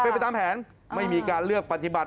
เป็นไปตามแผนไม่มีการเลือกปฏิบัติ